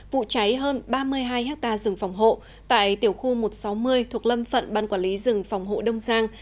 vụ cháy hơn ba mươi hai ha rừng phòng hộ tại tiểu khu một trăm sáu mươi thuộc lâm phận ban quản lý rừng phòng hộ đông giang